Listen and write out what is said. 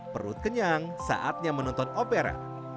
perut kenyang saatnya menonton opera